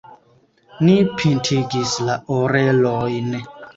Ni pintigis la orelojn.